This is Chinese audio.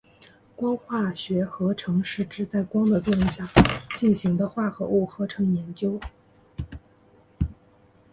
光化学合成是指在光的作用下进行的化合物合成研究。